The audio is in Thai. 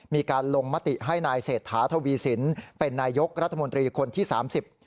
มีการลงมติให้นายเศรษฐาทวีสินเป็นนายกรัฐมนตรีคนที่สามสิบ